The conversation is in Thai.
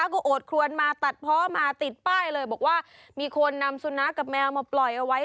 ก็โอดครวนมาตัดเพาะมาติดป้ายเลยบอกว่ามีคนนำสุนัขกับแมวมาปล่อยเอาไว้